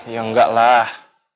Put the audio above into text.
ya enggak lah